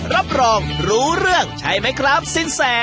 รับรองรู้เรื่องใช่ไหมครับสินแส